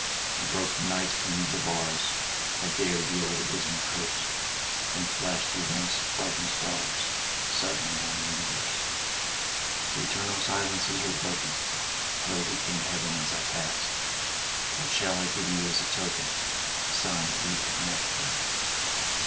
I broke the Night's primeval bars, I dared the old abysmal curse, And flashed through ranks of frightened stars Suddenly on the universe! The eternal silences were broken; Hell became Heaven as I passed. What shall I give you as a token, A sign that we have met, at last?